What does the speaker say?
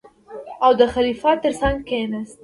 او د خلیفه تر څنګ کېناست.